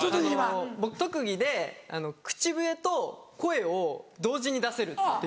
僕特技で口笛と声を同時に出せるっていう。